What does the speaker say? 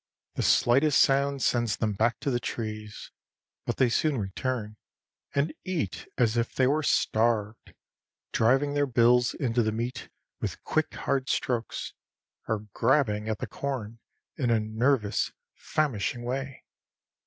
The slightest sound sends them back to the trees, but they soon return, and eat as if they were starved, driving their bills into the meat with quick hard strokes, or grabbing at the corn in a nervous, famishing way.